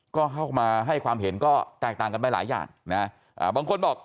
ก็เข้ามาให้ความเห็นก็แตกต่างกันไปหลายอย่างนะบางคนบอก